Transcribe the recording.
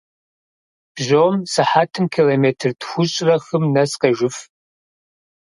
Бжьом сыхьэтым километр тхущӏрэ хым нэс къежыф.